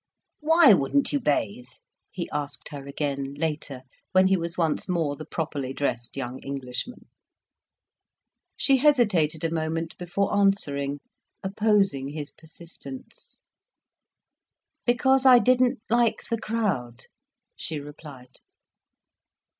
"Why wouldn't you bathe?" he asked her again, later, when he was once more the properly dressed young Englishman. She hesitated a moment before answering, opposing his persistence. "Because I didn't like the crowd," she replied.